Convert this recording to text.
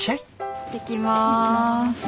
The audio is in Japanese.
いってきます。